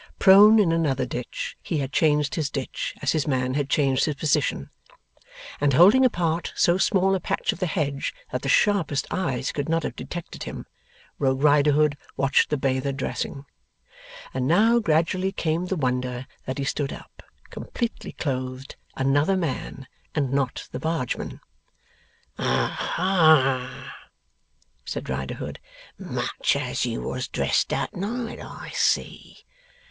Prone in another ditch (he had changed his ditch as his man had changed his position), and holding apart so small a patch of the hedge that the sharpest eyes could not have detected him, Rogue Riderhood watched the bather dressing. And now gradually came the wonder that he stood up, completely clothed, another man, and not the Bargeman. 'Aha!' said Riderhood. 'Much as you was dressed that night. I see.